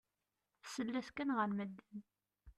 Tessal-as kan ɣer medden.